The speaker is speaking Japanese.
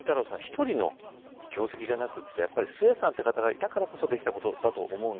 一人の業績じゃなくってやっぱり壽衛さんって方がいたからこそできたことだと思うんですよ。